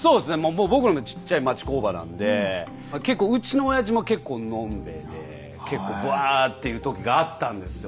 僕のもちっちゃい町工場なんで結構うちのおやじも結構飲んべえで結構ブワーっていうときがあったんですよ。